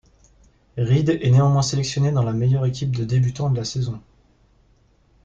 Reed est néanmoins sélectionné dans la meilleur équipe de débutants de la saison.